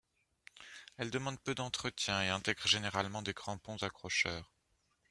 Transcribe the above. Elles demandent peu d'entretien, et intègrent généralement des crampons accrocheurs.